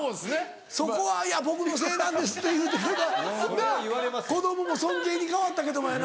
そこは「僕のせいなんです」って言うてやりゃなぁ子供も尊敬に変わったけどもやな。